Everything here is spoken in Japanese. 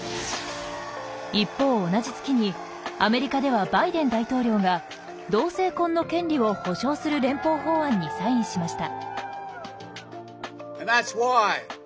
一方同じ月にアメリカではバイデン大統領が同性婚の権利を保障する連邦法案にサインしました。